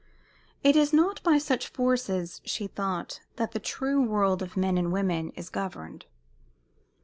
It is not by such forces, she thought, that the true world of men and women is governed.